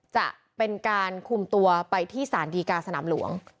จะเป็นการคุมตัวไปที่สารดีกาสนามหลวง